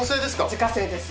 自家製です。